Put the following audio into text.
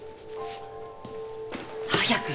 早く！